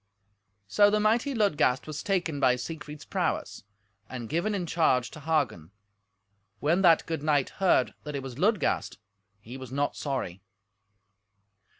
So the mighty Ludgast was taken by Siegfried's prowess, and given in charge to Hagen. When that good knight heard that it was Ludgast he was not sorry.